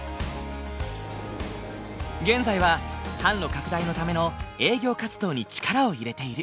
現在は販路拡大のための営業活動に力を入れている。